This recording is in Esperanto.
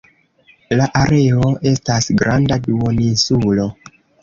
La areo estas granda duoninsulo.